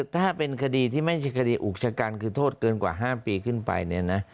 ถ้าเป็นคดีที่ไม่ใช่คดีอุกชะกันคือโทษเกินกว่า๕ปีขึ้นไปเนี่ยนะ